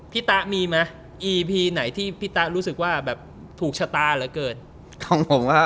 พี่ต้านี่มีรู้สึกเก่งต่างหรือเกิน